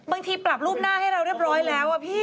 ปรับรูปหน้าให้เราเรียบร้อยแล้วอะพี่